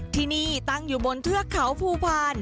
ที่นี่ตั้งอยู่บนเทือกเขาภูพาล